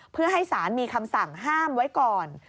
เพื่อให้สารมีคำสั่งห้ามไว้ก่อน